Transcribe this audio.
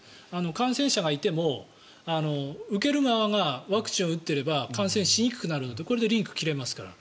感染者がいても受ける側がワクチンを打ってれば感染しにくくなるのでこれでリンクが切れますから。